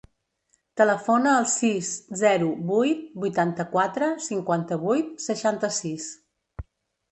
Telefona al sis, zero, vuit, vuitanta-quatre, cinquanta-vuit, seixanta-sis.